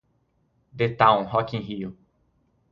The Town, rock in rio